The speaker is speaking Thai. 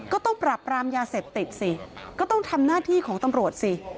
ก็ต้องปรับปรามยาเสพติดสิก็ต้องทำหน้าที่ของตำรวจสิ